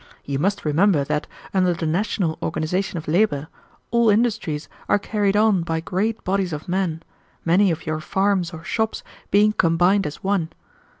You must remember that, under the national organization of labor, all industries are carried on by great bodies of men, many of your farms or shops being combined as one.